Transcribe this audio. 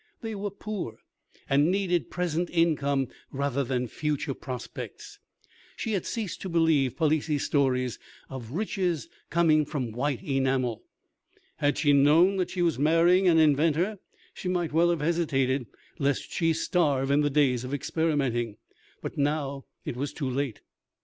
They were poor, and needed present income rather than future prospects. She had ceased to believe Palissy's stories of riches coming from white enamel. Had she known that she was marrying an inventor, she might well have hesitated, lest she starve in the days of experimenting; but now it was too late.